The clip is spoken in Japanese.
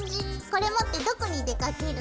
これ持ってどこに出かける？